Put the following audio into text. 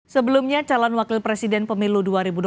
sebelumnya calon wakil presiden pemilu dua ribu dua puluh